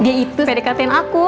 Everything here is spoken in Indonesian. dia itu sepedekatin aku